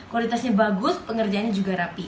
kualitasnya bagus pengerjaannya juga rapi